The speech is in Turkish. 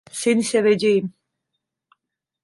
Seni seveceğim